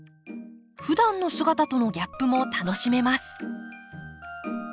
ふだんの姿とのギャップも楽しめます。